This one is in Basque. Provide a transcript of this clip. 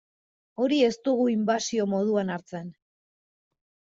Hori ez dugu inbasio moduan hartzen.